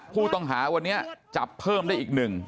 ผู้ต้องหาวันนี้จับเพิ่มได้อีกหนึ่ง